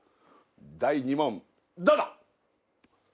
第２問どうぞ！